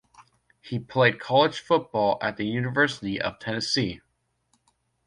He played college football at the University of Tennessee.